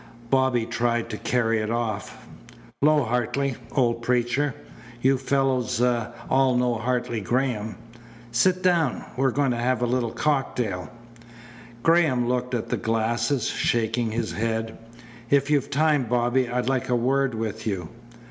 Bobby tried to carry it off. "'Lo, Hartley, old preacher. You fellows all know Hartley Graham? Sit down. We're going to have a little cocktail." Graham looked at the glasses, shaking his head. "If you've time, Bobby, I'd like a word with you."